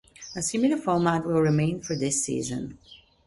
A similar format will remain for this season.